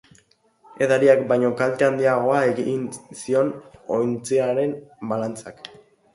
Edariak baino kalte handiagoa egingo zion ontziaren balantzak.